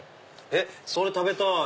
それ食べたい！